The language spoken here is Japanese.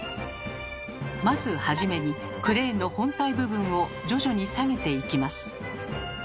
まず初めにクレーンの本体部分を徐々に下げていきます。